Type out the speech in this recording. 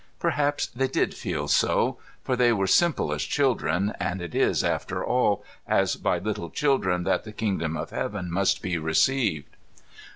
(Perhaps they did fed so: for they were simple as children, and it is, after all, as by little children that the Kingdom of Heaven must be received.)